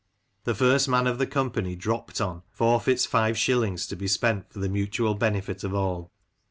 The first man of the company " dropped on '* forfeits five shillings to be spent for the mutual benefit of all.